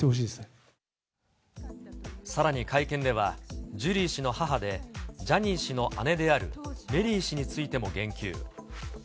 さらに会見では、ジュリー氏の母で、ジャニー氏の姉であるメリー氏についても言及。